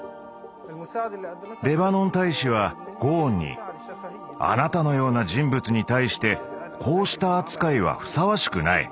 レバノン大使はゴーンに「あなたのような人物に対してこうした扱いはふさわしくない。